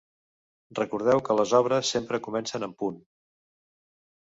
Recordeu que les obres sempre comencen en punt.